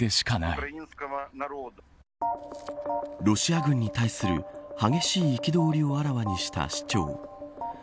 ロシア軍に対する激しい憤りをあらわにした市長。